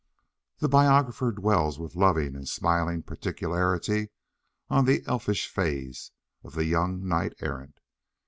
The biographer dwells with loving and smiling particularity on the elvish phases of the young knight errant.